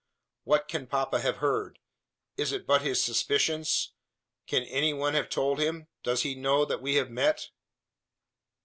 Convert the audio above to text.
"What can papa have heard? Is it but his suspicions? Can any one have told him? Does he knew that we have met?"